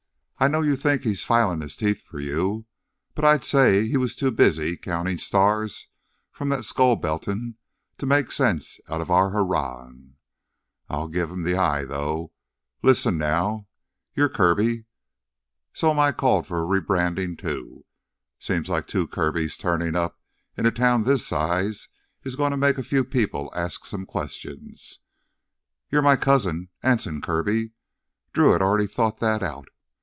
I know you think he's filin' his teeth for you, but I'd say he was too busy countin' stars from that skull beltin' to make sense out of our hurrawin'. I'll give him th' eye though. Lissen now, you're Kirby—so am I called for a rebrandin', too? Seems like two Kirbys turnin' up in a town this size is gonna make a few people ask some questions." "You're my cousin—Anson Kirby." Drew had already thought that out.